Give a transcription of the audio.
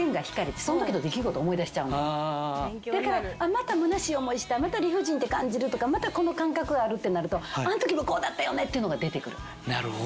だからまたむなしい思いしたまた理不尽って感じるとかまたこの感覚あるってなるとあのときもこうだったよねっていうのが出てくる。